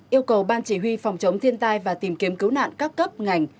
yêu cầu ban chỉ huy phòng chống thiên tai và tìm kiếm cứu nạn các cấp ngành